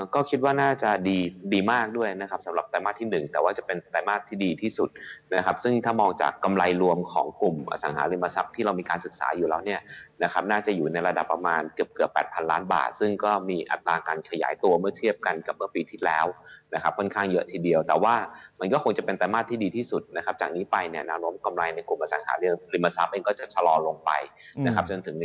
ก็คิดว่าน่าจะดีมากด้วยนะครับสำหรับแต่มาที่๑แต่ว่าจะเป็นแต่มาที่ดีที่สุดนะครับซึ่งถ้ามองจากกำไรรวมของกลุ่มอสังหาริมทรัพย์ที่เรามีการศึกษาอยู่แล้วเนี่ยนะครับน่าจะอยู่ในระดับประมาณเกือบเกือบ๘พันล้านบาทซึ่งก็มีอัตราการขยายตัวเมื่อเทียบกันกับเมื่อปีที่แล้วนะครับค่อนข้างเยอะท